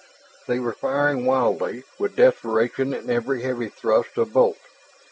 They were firing wildly, with desperation in every heavy thrust of bolt.